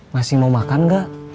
masih mau makan gak